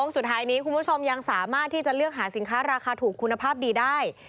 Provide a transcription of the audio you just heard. สุดท้ายนี้คุณผู้ชมยังสามารถที่จะเลือกหาสินค้าราคาถูกคุณภาพดีได้